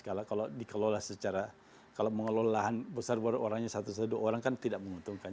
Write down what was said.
kalau dikelola secara kalau mengelola lahan besar baru orangnya satu satu dua orang kan tidak menguntungkan